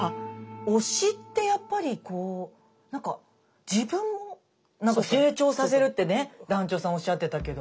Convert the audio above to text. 推しってやっぱりこう何か自分も成長させるってね団長さんおっしゃってたけど。